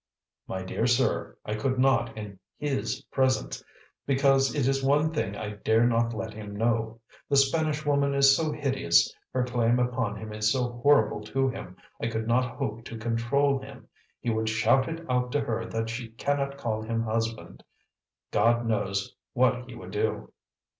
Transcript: "My dear sir, I could not in HIS presence, because it is one thing I dare not let him know. This Spanish woman is so hideous, her claim upon him is so horrible to him I could not hope to control him he would shout it out to her that she cannot call him husband. God knows what he would do!"